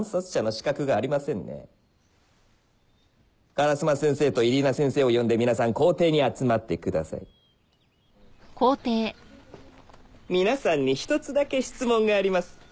烏間先生とイリーナ先生を呼んで皆さん校庭に集まってください皆さんに１つだけ質問があります